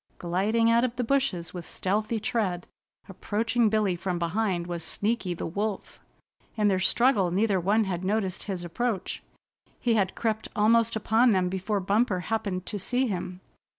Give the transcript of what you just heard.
Gliding out of the bushes with stealthy tread, approaching Billy from behind was Sneaky the Wolf. In their struggle neither one had noticed his approach. He had crept almost upon them before Bumper happened to see him.